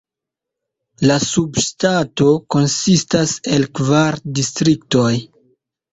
La subŝtato konsistas el kvar distriktoj.